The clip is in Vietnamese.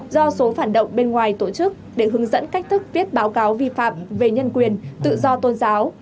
do số phản động bên ngoài tổ chức để hướng dẫn cách thức viết báo cáo vi phạm về nhân quyền tự do tôn giáo